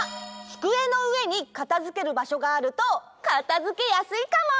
つくえのうえにかたづけるばしょがあるとかたづけやすいかも！